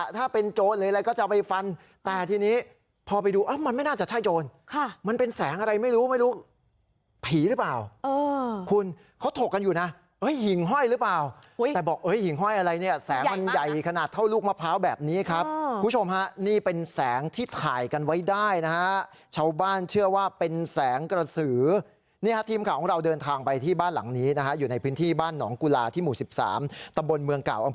ถ้าเป็นโจรหรืออะไรก็จะไปฟันแต่ทีนี้พอไปดูอ่ะมันไม่น่าจะใช่โจรค่ะมันเป็นแสงอะไรไม่รู้ไม่รู้ผีหรือเปล่าเออคุณเขาถกกันอยู่นะเอ้ยหิ่งห้อยหรือเปล่าแต่บอกเอ้ยหิ่งห้อยอะไรเนี่ยแสงมันใหญ่ขนาดเท่าลูกมะพร้าวแบบนี้ครับคุณผู้ชมฮะนี่เป็นแสงที่ถ่ายกันไว้ได้นะฮะชาวบ้านเชื่อว่าเป็นแส